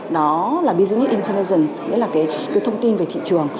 đó là business intelligent nghĩa là cái thông tin về thị trường